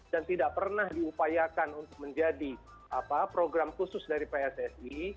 dan tidak pernah diupayakan untuk menjadi program khusus dari pssi